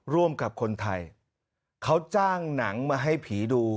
ร่วมกับคนไทยเขาจ้างหนังมาให้ผีดู